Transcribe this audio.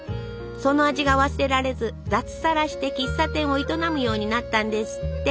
その味が忘れられず脱サラして喫茶店を営むようになったんですって。